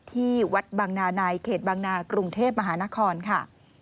ที่วัดบางนาในเขตบางนากรุงเทพมหานครค่ะ